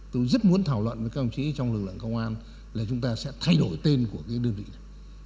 tôi rất muốn thảo luận với các ông chí trong lực lượng công an là chúng ta sẽ thay đổi tên của cái đơn vị này